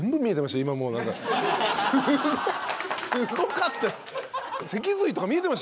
すごかったです。